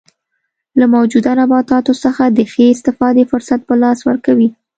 له موجوده نباتاتو څخه د ښې استفادې فرصت په لاس ورکوي.